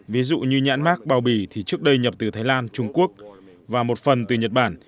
ví dụ như nhãn mát bao bì thì trước đây nhập từ thái lan trung quốc và một phần từ nhật bản